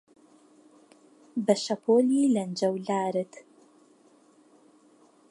بە شەپۆلی لەنجەولارت